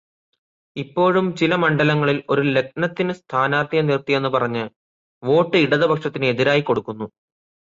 ഇപ്പോഴും ചില മണ്ഡലങ്ങളിൽ ഒരു ലഗ്നത്തിന് സ്ഥാനാർഥിയെ നിർത്തിയെന്ന് പറഞ്ഞ് വോട്ട് ഇടതുപക്ഷത്തിന് എതിരായി കൊടുക്കുന്നു.